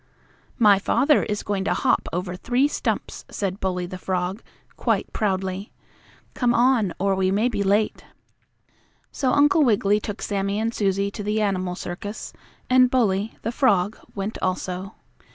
"My father is going to hop over three stumps," said Bully, the frog, quite proudly. "Come on, or we may be late." So Uncle Wiggily took Sammie and Susie to the animal circus, and Bully, the frog, went also.